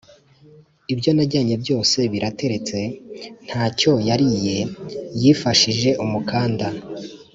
ibyo najyanye byose birateretse, nta cyo yariye yifashije umukanda.’